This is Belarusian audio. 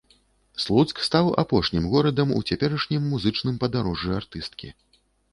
Слуцк стаў апошнім горадам у цяперашнім музычным падарожжы артысткі.